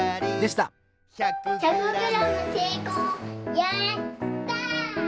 やった！